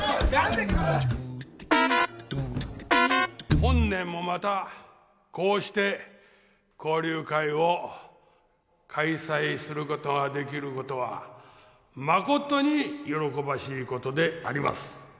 本年もまたこうして交流会を開催することができることはまことに喜ばしいことであります